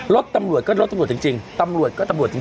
รถตำรวจก็ลดตำรวจจริง